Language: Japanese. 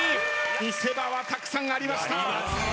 見せ場はたくさんありました。